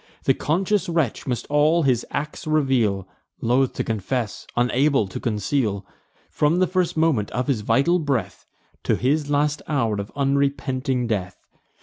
The conscious wretch must all his acts reveal, Loth to confess, unable to conceal, From the first moment of his vital breath, To his last hour of unrepenting death.